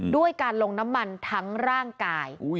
ด้วยการลงน้ำมันทั้งร่างกาย